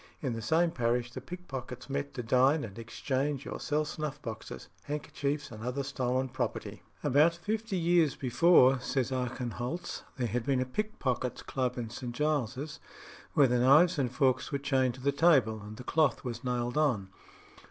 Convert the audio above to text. In the same parish the pickpockets met to dine and exchange or sell snuff boxes, handkerchiefs, and other stolen property. About fifty years before, says Archenholz, there had been a pickpockets' club in St. Giles's, where the knives and forks were chained to the table and the cloth was nailed on.